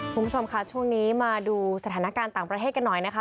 คุณผู้ชมค่ะช่วงนี้มาดูสถานการณ์ต่างประเทศกันหน่อยนะคะ